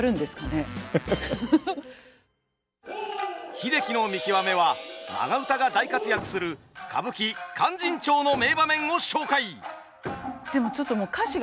「英樹の見きわめ」は長唄が大活躍する歌舞伎「勧進帳」の名場面を紹介！